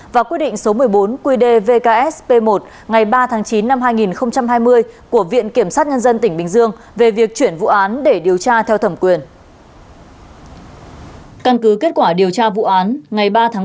và quyết định số một mươi bốn quy đề vks p một ngày ba tháng chín năm hai nghìn hai mươi của viện kiểm sát nhân dân tỉnh bình dương